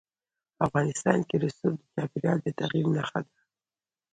افغانستان کې رسوب د چاپېریال د تغیر نښه ده.